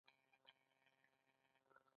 ځینې ژوندي موجودات یوازې یوه حجره لري